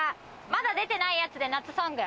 まだ出てないやつで夏ソング。